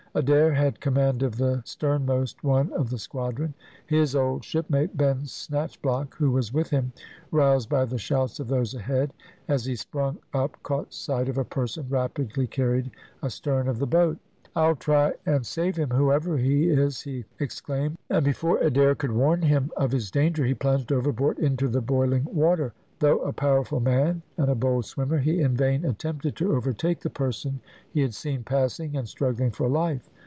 Adair had command of the sternmost one of the squadron. His old shipmate, Ben Snatchblock, who was with him, roused by the shouts of those ahead, as he sprung up caught sight of a person rapidly carried astern of the boat. "I'll try and save him whoever he is," he exclaimed; and before Adair could warn him of his danger, he plunged overboard into the boiling water. Though a powerful man and a bold swimmer, he in vain attempted to overtake the person he had seen passing and struggling for life.